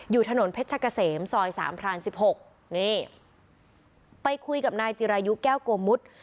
อยู่ถนนเพชรกะเสมซอยสามพราน๑๖นี่ไปคุยกับนายจิรายุแก้วโกมุท